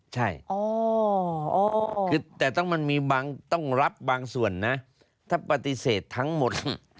ใช่แต่มันต้องรับบางส่วนถ้าปฏิเสธทั้งหมด